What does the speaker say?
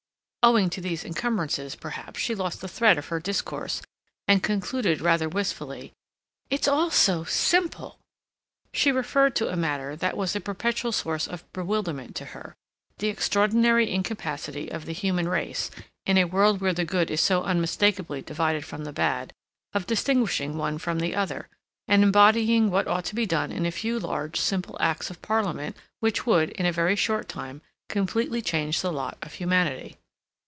Owing to these encumbrances, perhaps, she lost the thread of her discourse, and concluded, rather wistfully, "It's all so simple." She referred to a matter that was a perpetual source of bewilderment to her—the extraordinary incapacity of the human race, in a world where the good is so unmistakably divided from the bad, of distinguishing one from the other, and embodying what ought to be done in a few large, simple Acts of Parliament, which would, in a very short time, completely change the lot of humanity.